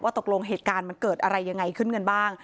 ตกลงเหตุการณ์มันเกิดอะไรยังไงขึ้นกันบ้าง